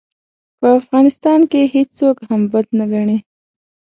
په افغانستان کې هېڅوک هم بد نه ګڼي.